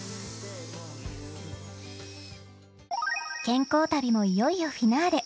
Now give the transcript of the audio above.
［健康旅もいよいよフィナーレ］